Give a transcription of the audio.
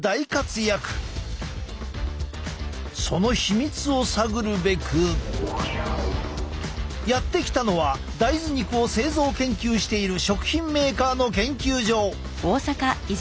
その秘密を探るべくやって来たのは大豆肉を製造研究している食品メーカーの研究所！